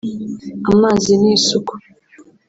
amazi n’isuku